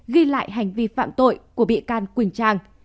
ghi lại hành vi phạm tội của bị can quỳnh trang